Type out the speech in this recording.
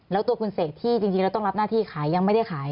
แล้วตัวคุณเสกที่จริงแล้วต้องรับหน้าที่ขายยังไม่ได้ขาย